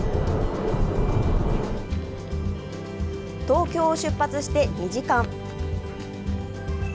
東京を出発して２時間。